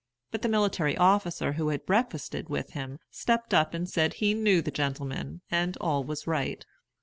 But the military officer who had breakfasted with him stepped up and said he knew the gentleman, and all was right.